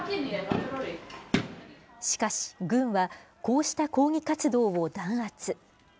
しかし、軍は、こうした抗議活動を弾圧。